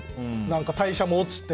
代謝も落ちて。